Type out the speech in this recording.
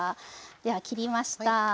では切りました。